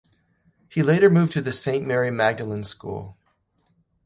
He later moved to the Saint Mary Magdalene School.